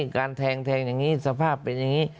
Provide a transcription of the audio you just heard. การแทงแทงอย่างนี้สภาพเป็นอย่างนี้